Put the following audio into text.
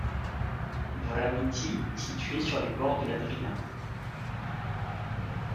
Vranići est situé sur les bords de la Drina.